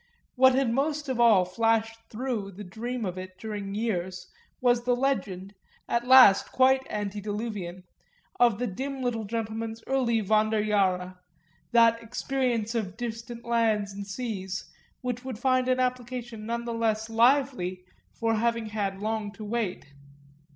What had most of all flushed through the dream of it during years was the legend, at last quite antediluvian, of the dim little gentleman's early Wanderjahre, that experience of distant lands and seas which would find an application none the less lively for having had long to wait.